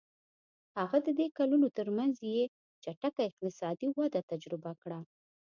هغه د دې کلونو ترمنځ یې چټکه اقتصادي وده تجربه کړه.